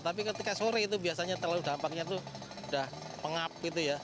tapi ketika sore itu biasanya terlalu dampaknya itu udah pengap gitu ya